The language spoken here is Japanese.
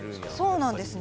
そうなんですよ。